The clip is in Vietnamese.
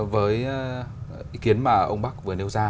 với ý kiến mà ông bắc vừa nêu ra